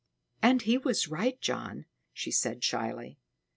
"And he was right, John," she said shyly.